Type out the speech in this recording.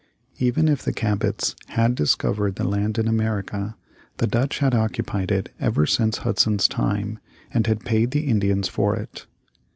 Even if the Cabots had discovered the land in America, the Dutch had occupied it ever since Hudson's time and had paid the Indians for it.